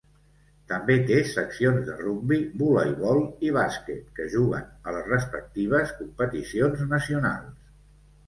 També té seccions de rugbi, voleibol i bàsquet que juguen a les respectives competicions nacionals.